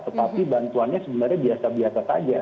tetapi bantuannya sebenarnya biasa biasa saja